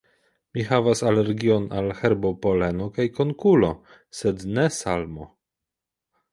Mi havas alergion al herbopoleno kaj konkulo, sed ne salmo.